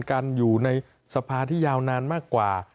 การอยู่ในสภาที่ยาวนานมากกว่า